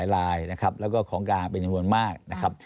แล้วก็ของกลางเป็นจำนวนมากนะครับ